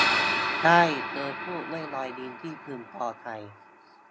ใช่ เธอพูด ด้วยรอยยิ้มที่พึงพอใจ